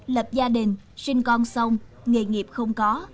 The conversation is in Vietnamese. lập gia đình sinh con xong nghề nghiệp không có